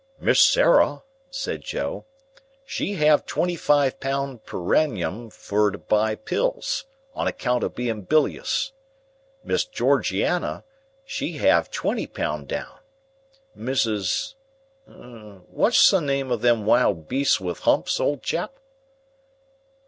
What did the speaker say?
"Miss Sarah," said Joe, "she have twenty five pound perannium fur to buy pills, on account of being bilious. Miss Georgiana, she have twenty pound down. Mrs.—what's the name of them wild beasts with humps, old chap?"